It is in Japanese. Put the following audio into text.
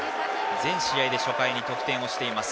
全試合で初回に得点をしています。